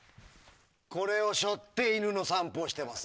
これを背負って犬の散歩をしています。